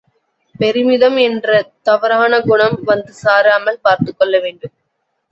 பெருமிதம் என்ற தவறான குணம் வந்து சாராமல் பார்த்துக் கொள்ளவேண்டும்.